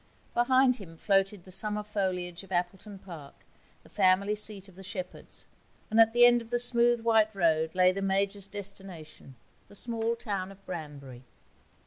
Behind him floated the summer foliage of Appleton Park the family seat of the Shepherds and at the end of the smooth, white road lay the Major's destination the small town of Branbury.